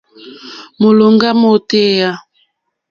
Mólòŋɡá mótéyà.